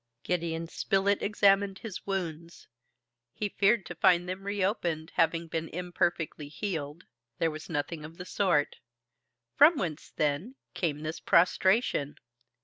Gideon Spilett examined his wounds. He feared to find them reopened, having been imperfectly healed. There was nothing of the sort. From whence, then, came this prostration?